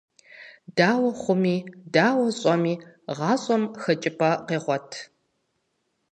Дауэ хъуми, дауэ щӏэми, гъащӏэм хэкӏыпӏэ къегъуэт.